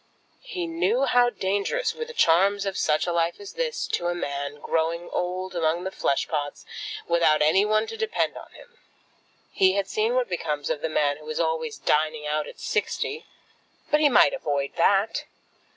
He knew how dangerous were the charms of such a life as this to a man growing old among the flesh pots, without any one to depend upon him. He had seen what becomes of the man who is always dining out at sixty. But he might avoid that.